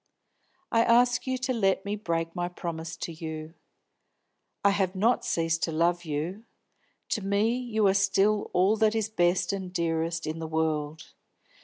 "I ask you to let me break my promise to you. I have not ceased to love you; to me you are still all that is best and dearest in the world.